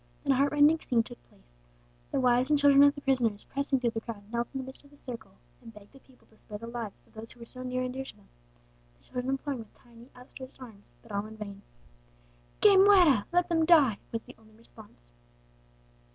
Then a heart rending scene took place. The wives and children of the prisoners, pressing through the crowd, knelt in the midst of the circle, and begged the people to spare the lives of those who were so near and dear to them, the children imploring with tiny outstretched arms; but all in vain. 'Que muera!' (Let them die!) was the only response.